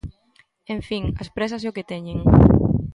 En fin, as présas é o que teñen.